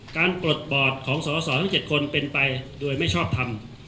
ปลดบอดของสอสอทั้ง๗คนเป็นไปโดยไม่ชอบทำ